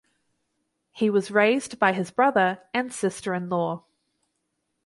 He was raised by his brother and sister in law.